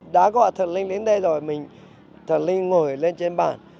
đã gọi thần linh đến đây rồi mình thần linh ngồi lên trên bàn